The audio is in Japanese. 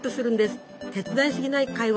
手伝いすぎない介護